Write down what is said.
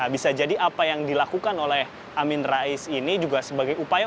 bisa jadi apa yang dilakukan oleh amin rais ini juga sebagai upaya